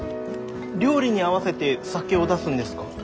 料理に合わせて酒を出すんですか？